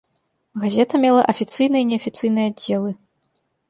Газета мела афіцыйны і неафіцыйны аддзелы.